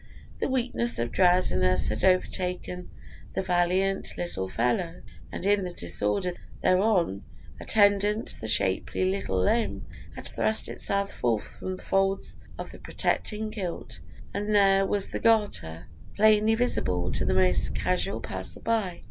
the weakness of drowsiness had overtaken the valiant little fellow, and in the disorder thereon attendant the shapely little limb had thrust itself forth from the folds of the protecting kilt, and there was the garter plainly visible to the most casual passer by.